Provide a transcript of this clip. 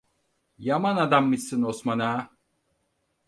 Yaman adammışsın Osman Ağa.